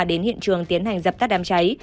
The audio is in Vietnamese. đến hiện trường tiến hành dập tắt đám cháy